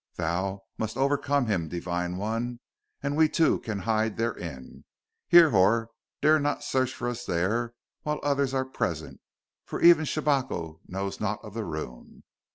Thou must overcome him, Divine One, and we too can hide therein. Hrihor dare not search for us there while others are present, for e'en Shabako knows not of the room.